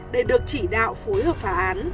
để được chỉ đạo phối hợp phả án